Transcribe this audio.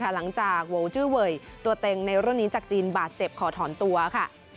หลังจากวงจื้อเวยตัวเต็งในรุ่นนี้จากจีนบาดเจ็บขอถอนตัวค่ะ